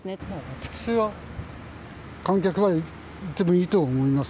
私は、観客がいてもいいと思います。